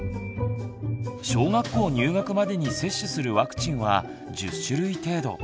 小学校入学までに接種するワクチンは１０種類程度。